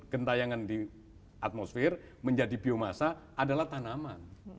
gentayangan di atmosfer menjadi biomasa adalah tanaman